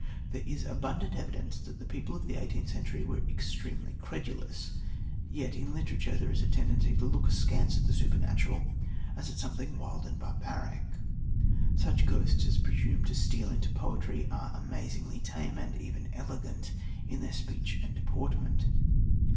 There is abundant evidence that the people of the eighteenth century were extremely credulous, yet, in literature, there is a tendency to look askance at the supernatural as at something wild and barbaric. Such ghosts as presume to steal into poetry are amazingly tame, and even elegant, in their speech and deportment.